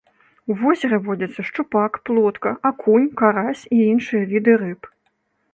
У возеры водзяцца шчупак, плотка, акунь, карась і іншыя віды рыб.